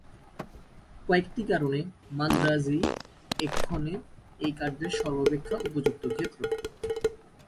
কয়েকটি কারণে মান্দ্রাজই এক্ষণে এই কার্যের সর্বাপেক্ষা উপযুক্ত ক্ষেত্র।